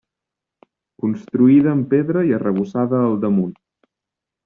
Construïda amb pedra i arrebossada al damunt.